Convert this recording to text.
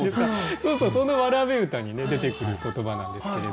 そうそうその童歌にね出てくる言葉なんですけれど。